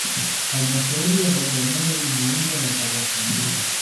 Halmashauri ya Bagamoyo inaundwa na tarafa mbili